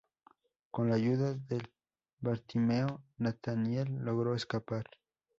Con la ayuda de Bartimeo, Nathaniel logra escapar.